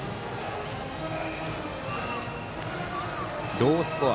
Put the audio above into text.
ロースコア。